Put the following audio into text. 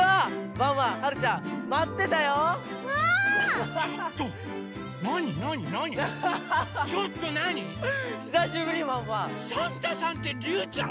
サンタさんってりゅうちゃん？